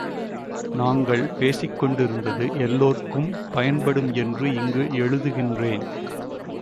நாங்கள் பேசிக்கொண்டிருந்தது எல்லோர்க்கும் பயன்படும் என்று இங்கு எழுதுகின்றேன்.